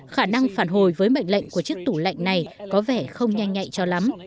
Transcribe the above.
khả năng phản hồi với mệnh lệnh của chiếc tủ lạnh này có vẻ không nhanh nhạy cho lắm